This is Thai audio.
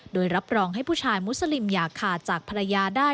โดยรับรองให้ผู้ชายมุสลิมอย่าขาดจากภรรยาได้